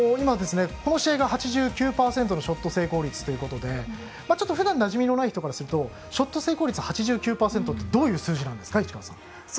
今、この試合が８９％のショット成功率ということでちょっと、ふだんなじみのない人からするとショット成功率８９％ってどういう数字ですか。